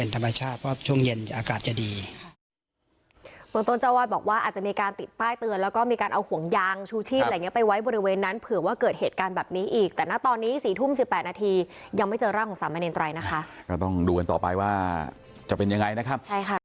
ตัวต้นเจ้าว่าบอกว่าอาจจะมีการติดป้ายเตือนแล้วก็มีการเอาห่วงยางชูชีพอะไรเงี้ยไปไว้บริเวณนั้นเผื่อว่าเกิดเหตุการณ์แบบนี้อีกแต่ณะตอนนี้สี่ทุ่มสิบแปดนาทียังไม่เจอร่างของสามแม่นเน็นไตรนะคะก็ต้องดูกันต่อไปว่าจะเป็นยังไงนะครับใช่ค่ะ